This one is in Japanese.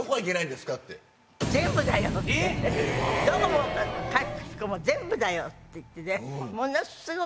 ってどこもかしこも全部だよって言ってね。